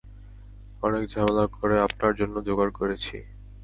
অনেক ঝামেলা করে আপনার জন্যে জোগাড় করেছি।